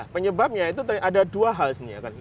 penyebabnya itu ada dua hal sebenarnya